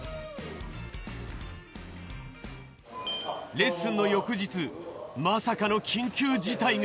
レッスンの翌日まさかの緊急事態が。